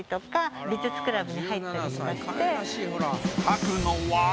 描くのは。